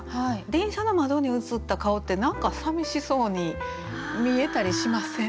電車の窓に映った顔って何かさみしそうに見えたりしません？